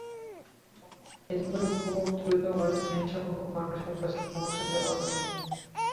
এতে করে খুব দ্রুত অনেক বেশিসংখ্যক মানুষের কাছে পৌঁছে যাওয়া যায়।